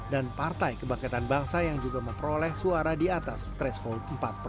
dan partai kebangkitan bangsa yang juga memperoleh suara di atas threshold empat